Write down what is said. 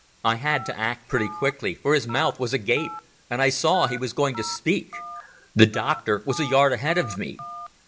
I had to act pretty quick, for his mouth was agape, and I saw he was going to speak. The doctor was a yard ahead of me.